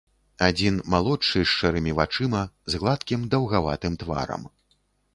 Адзін малодшы, з шэрымі вачыма, з гладкім даўгаватым тварам.